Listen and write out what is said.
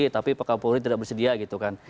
tapi pak kapolri tidak bersedia gitu kan